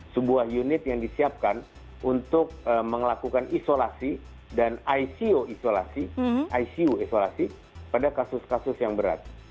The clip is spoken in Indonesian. sebuah unit yang disiapkan untuk melakukan isolasi dan icu isolasi icu isolasi pada kasus kasus yang berat